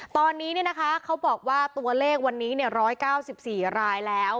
ตอนนี้เนี่ยนะคะเขาบอกว่าตัวเลขวันนี้เนี่ย๑๙๔รายแล้ว